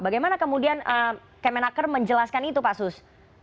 bagaimana kemudian kemenaker menjelaskan itu pak sus